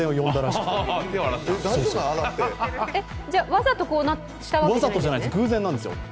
わざとこうしたわけじゃないんですね？